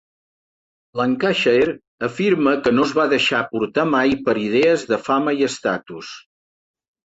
Lancashire afirma que no es va deixar portar mai per idees de fama i estatus.